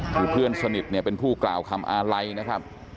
คือเพื่อนสนิทเนี่ยเป็นผู้กล่าวคำอาลัยนะครับ